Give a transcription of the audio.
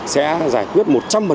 sẽ giải quyết một trăm linh